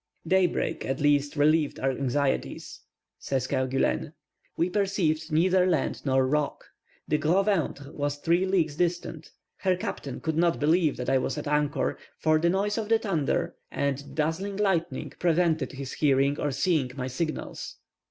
"Daybreak at last relieved our anxieties," says Kerguelen; "we perceived neither land nor rock. The Gros ventre was three leagues distant; her captain could not believe that I was at anchor, for the noise of the thunder, and the dazzling lightning, prevented his hearing or seeing my signals.